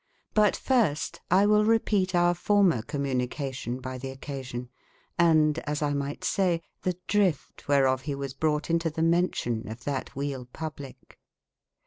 But first X wy II repete oure former communication by tbocca/ sion, and (as X migbt saye) tbe drifte, tvberof be was brougbt into tbe men tion of tbatxvealepublique.